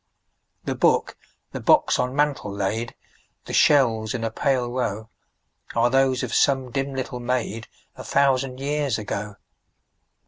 The book, the box on mantel laid, The shells in a pale row, Are those of some dim little maid, A thousand years ago.